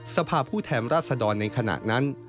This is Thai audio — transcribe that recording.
สภาพผู้แทนราชดรในขณะนั้น